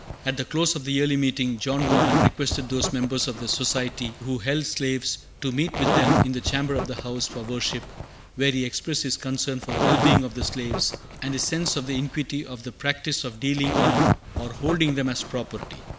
At the close of the Yearly Meeting, John Woolman requested those members of the Society who held slaves to meet with him in the chamber of the house for worship, where he expressed his concern for the well being of the slaves, and his sense of the iniquity of the practice of dealing in or holding them as property.